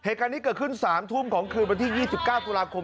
เหตุการณ์นี้เกิดขึ้น๓ทุ่มของคืนวันที่๒๙ตุลาคม